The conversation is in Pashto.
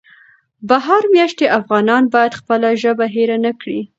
بهر مېشتي افغانان باید خپله ژبه هېره نه کړي.